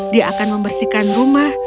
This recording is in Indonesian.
dia akan membersihkan rumah